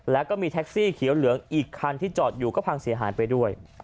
แล้วก็มีแท็กซี่เขียวเหลืองอีกคันที่จอดอยู่ก็พังเสียหายไปด้วย